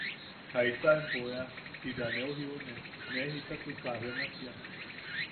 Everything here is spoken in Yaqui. ¿Jaisa empo ea? Ti be neu jiune ne jitatuka benasia.